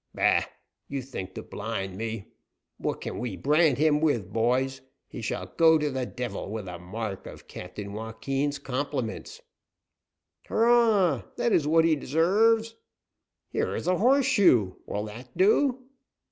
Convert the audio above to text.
"Bah! You think to blind me. What can we brand him with, boys? He shall go to the devil with a mark of Captain Joaquin's compliments!" "Hurrah! That is what he deserves!" "Here is a horseshoe; will that do?"